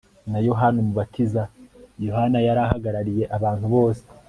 na Yohana Umubatiza Yohana yari ahagarariye abantu bose